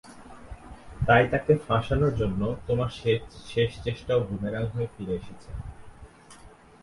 তাই তাকে ফাঁসানোর জন্য, তোমার শেষ চেষ্টাও বুমেরাং হয়ে ফিরে এসেছে।